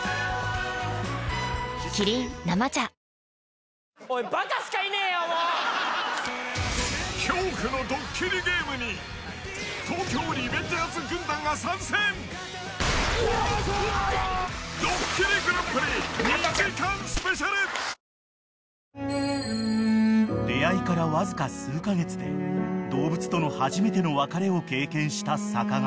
キリン「生茶」［出合いからわずか数カ月で動物との初めての別れを経験した坂上］